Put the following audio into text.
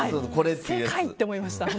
正解！って思いました。